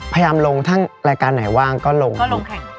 พยายามลงทั้งรายการไหนว่างก็ลงก็ลงแข่ง